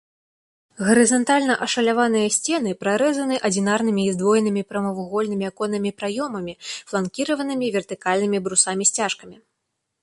Гарызантальна ашаляваныя сцены прарэзаны адзінарнымі і здвоенымі прамавугольнымі аконнымі праёмамі, фланкіраванымі вертыкальнымі брусамі-сцяжкамі.